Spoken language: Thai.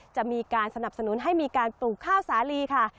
จะมีการสนับสนุนให้มีการปลูกข้าวสาลีค่ะ